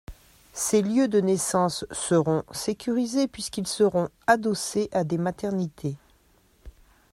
Ces lieux de naissance seront sécurisés puisqu’ils seront adossés à des maternités.